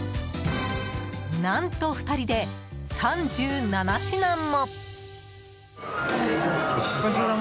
何と、２人で３７品も。